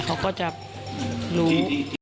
เขาก็จะรู้